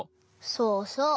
そうそう！